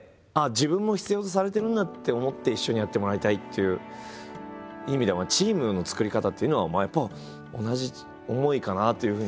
自分も必要とされてるんだって思って一緒にやってもらいたいっていう意味ではチームの作り方っていうのはやっぱ同じ思いかなというふうに。